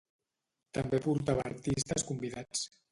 També portava artistes convidats.